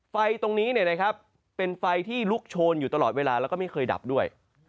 ไฟตรงนี้เป็นไฟที่ลุกโชนอยู่ตลอดเวลาแล้วก็ไม่เคยดับด้วย